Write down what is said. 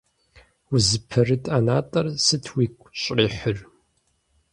Узыпэрыт ӀэнатӀэр сыт уигу щӀрихьыр?